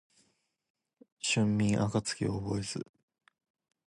春眠暁を覚えず